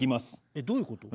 えっどういうこと？